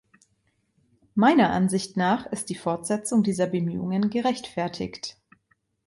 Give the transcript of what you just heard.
Meiner Ansicht nach ist die Fortsetzung dieser Bemühungen gerechtfertigt.